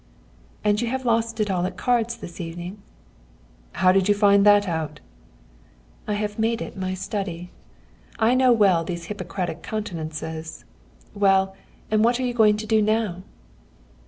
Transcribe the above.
"'And you have lost it all at cards this evening?' "'How did you find that out?' "'I have made it my study. I know well those Hippocratic countenances. Well, and what are you going to do now?'